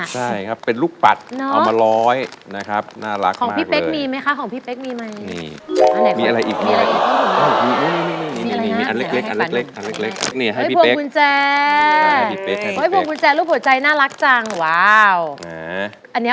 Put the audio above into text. ใช่ครับเป็นลูกปัดเอามาร้อยนะครับน่ารักมากเลย